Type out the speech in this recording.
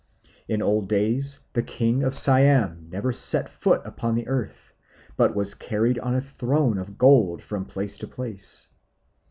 In old days the king of Siam never set foot upon the earth, but was carried on a throne of gold from place to place.